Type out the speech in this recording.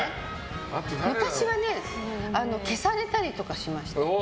昔は消されたりとかしました。